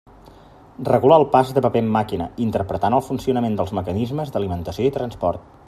Regula el pas de paper en màquina, interpretant el funcionament dels mecanismes d'alimentació i transport.